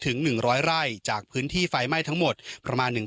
หนึ่งร้อยไร่จากพื้นที่ไฟไหม้ทั้งหมดประมาณหนึ่ง